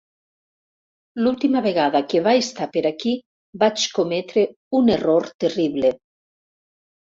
L'última vegada que va estar per aquí vaig cometre un error terrible.